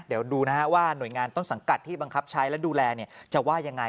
เดี๋ยวดูนะฮะว่าหน่วยงานต้นสังกัดที่บังคับใช้และดูแลจะว่ายังไง